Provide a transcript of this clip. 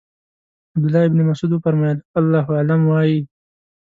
عبدالله ابن مسعود وفرمایل الله اعلم وایئ.